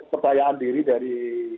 kebayaan diri dari